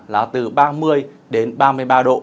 là từ ba mươi ba mươi ba độ